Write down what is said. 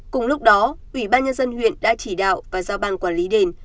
cùng lúc đó ủy ban nhân dân huyện đã chỉ đạo và do ban quản lý đền